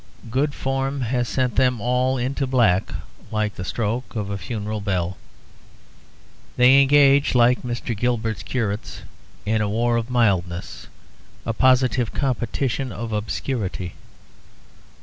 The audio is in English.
Good form has sent them all into black like the stroke of a funeral bell. They engage, like Mr. Gilbert's curates, in a war of mildness, a positive competition of obscurity.